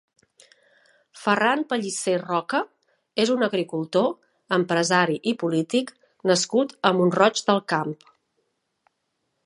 Ferran Pellicer Roca és un agricultor, empresari i polític nascut a Mont-roig del Camp.